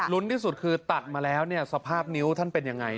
ลุ้นที่สุดคือตัดมาแล้วสภาพนิ้วท่านเป็นอย่างไร